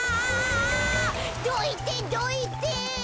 どいてどいて！